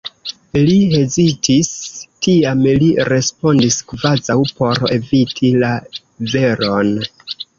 Li hezitis; tiam li respondis kvazaŭ por eviti la veron: